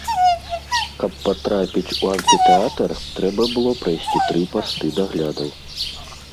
Каб патрапіць у амфітэатр, трэба было прайсці тры пасты даглядаў.